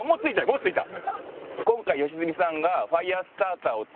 もうついた。